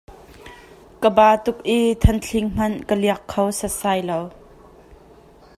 Ka ba tuk i thanthling hmanh ka liak kho sasai lo.